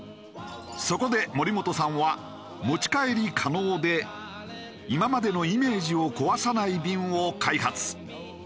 そこで森本さんは持ち帰り可能で今までのイメージを壊さない瓶を開発。